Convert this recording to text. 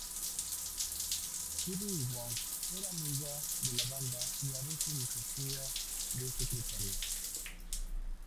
Judy Wong era amiga de la banda y a veces les hacía de secretaria.